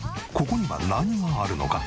ここには何があるのか？